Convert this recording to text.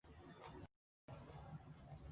Dana Scully llegó a la oficina del sótano.